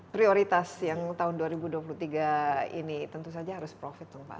prioritas yang tahun dua ribu dua puluh tiga ini tentu saja harus profit dong pak